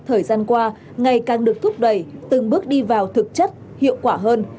thời gian qua ngày càng được thúc đẩy từng bước đi vào thực chất hiệu quả hơn